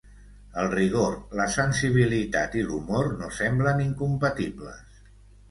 El rigor, la sensibilitat i l'humor no semblen incompatibles.